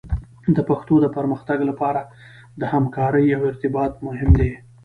د پښتو د پرمختګ لپاره همکارۍ او ارتباط مهم دي.